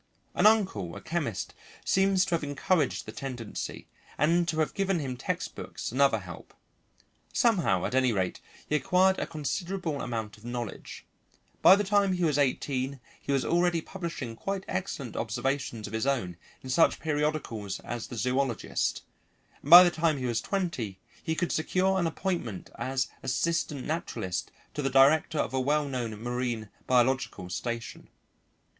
An uncle, a chemist, seems to have encouraged the tendency, and to have given him textbooks and other help. Somehow at any rate he acquired a considerable amount of knowledge; by the time he was eighteen he was already publishing quite excellent observations of his own in such periodicals as the Zoologist, and by the time he was twenty he could secure an appointment as assistant naturalist to the director of a well known marine biological station.